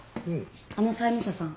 あの債務者さん